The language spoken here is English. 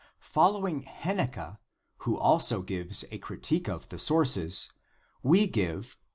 Following Hennecke, who also gives a critique of the sources, we give : I.